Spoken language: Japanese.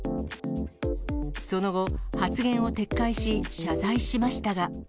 その後、発言を撤回し、謝罪しましたが。